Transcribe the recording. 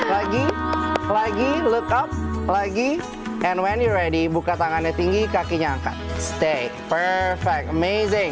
lagi lagi lupau lagi pengendi ready buka tangannya tinggi kakinya angka teh ipag meiji